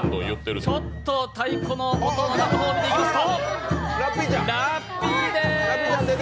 ちょっと太鼓の音が近づいてきますと、ラッピーです。